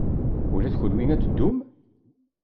Ula d kenwi ad teddum?